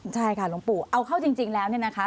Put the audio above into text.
ใช่ค่ะหลวงปู่เอาเข้าจริงแล้วเนี่ยนะคะ